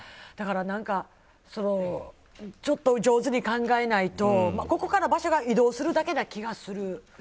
だからちょっと上手に考えないとここから場所が移動するだけな気がする。